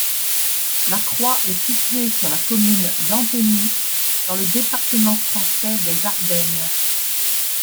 La croix est située sur la commune d'Antheny, dans le département français des Ardennes.